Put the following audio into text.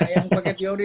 yang pakai teori